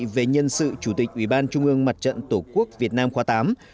về nhân sự chủ tịch ủy ban trung ương mặt trận tổ quốc việt nam khóa tám